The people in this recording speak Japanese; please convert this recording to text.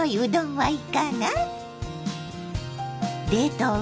はい。